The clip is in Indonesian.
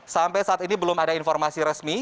sampai saat ini belum ada informasi resmi